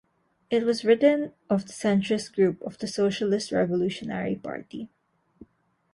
It was written of the Centrist group of the Socialist Revolutionary Party.